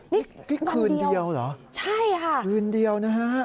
นี่คืนเดียวเหรอคืนเดียวนะฮะใช่ค่ะ